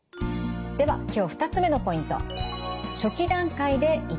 では今日２つ目のポイント。